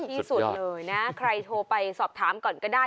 ที่สุดเลยนะใครโทรไปสอบถามก่อนก็ได้